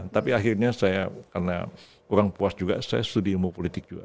tapi akhirnya saya karena kurang puas juga saya studi ilmu politik juga